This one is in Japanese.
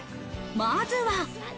まずは。